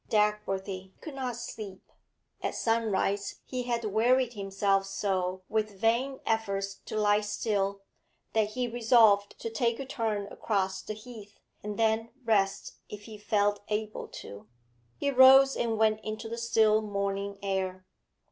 Dagworthy could not sleep. At sunrise he had wearied himself so with vain efforts to lie still, that he resolved to take a turn across the Heath, and then rest if he felt able to. He rose and went into the still morning air.